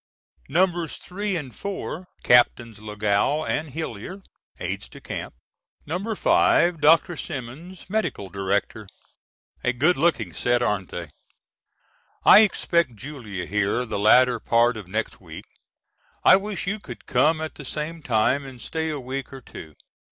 N^os 3 & 4 Capts. Lagow & Hillyer, Aides de Camps, N^o 5 Dr. Simons Medical Director. A good looking set aren't they? I expect Julia here the latter part of next week. I wish you could come at the same time and stay a week or two.